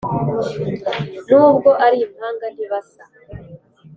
nubwo ari impanga ntibasa